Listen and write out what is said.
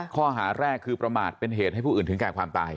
ข้อหาแรกคือประมาทเป็นเหตุให้ผู้อื่นถึงแก่ความตาย